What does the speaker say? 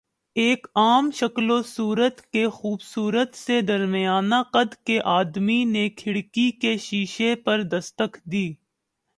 ایک عام شکل و صورت کے خوبصورت سے درمیانہ قد کے آدمی نے کھڑکی کے شیشے پر دستک دی۔